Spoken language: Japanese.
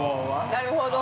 ◆なるほど。